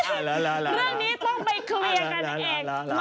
เรื่องนี้ต้องไปเคลียร์กันเอง